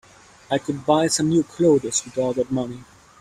I could buy some new clothes with all that money.